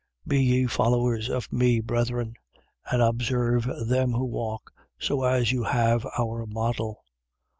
3:17. Be ye followers of me, brethren: and observe them who walk so as you have our model.